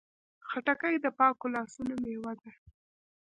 خټکی د پاکو لاسونو میوه ده.